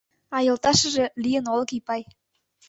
А йолташыже лийын Олык Опай.